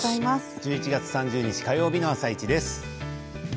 １１月３０日火曜日の「あさイチ」です。